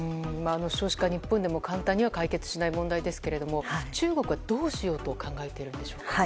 少子化、日本でも簡単には解決しない問題ですけど中国はどうしようと考えているんでしょうか。